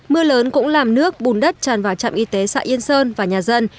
mưa lớn cũng làm nước bùn đất tràn vào trạm y tế xã yên sơn và nhà dân